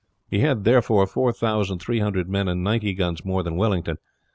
He had, therefore, four thousand three hundred men and ninety guns more than Wellington.